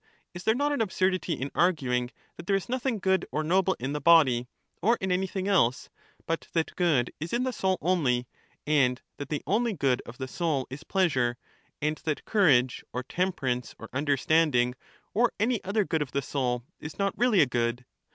Is there not an absurdity in arguing that there is nothing good or noble in the body, or in anything else, but that good is in the soul only, and that the only good of the soul is pleasure ; and that courage or temperance or under standing, or any other good of the soul, is not really a good?